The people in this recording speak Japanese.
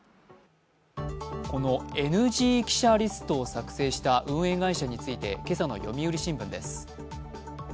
このＮＧ記者リストを作成した運営会社について、今朝の「読売新聞」です。